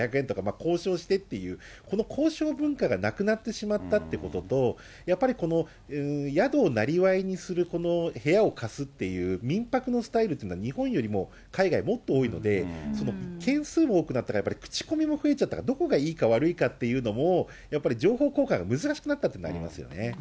交渉してっていう、この交渉文化がなくなってしまったってことと、やっぱり宿をなりわいにする部屋を貸すっていう民泊のスタイルっていうのは、日本よりも海外、もっと多いので、件数も多くなったから、やっぱり口コミも増えちゃったから、どこがいいか悪いかっていうのも、やっぱり情報公開が難しくなったっていうのがありますよね。